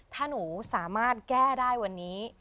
ถ้าหนูสามารถแก้ได้วันนี้